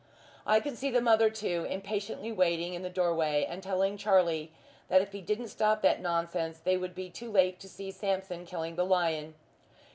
I can see the mother too, impatiently waiting in the doorway, and telling Charlie that if he didn't stop that nonsense they would be too late to see Sampson killing the lion.